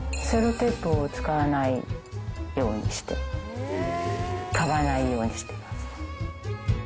セロテープを使わないようにしてます、買わないようにしてます。